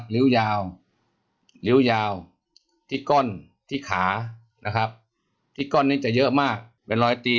ริ้วยาวริ้วยาวที่ก้อนที่ขานะครับที่ก้อนนี้จะเยอะมากเป็นรอยตี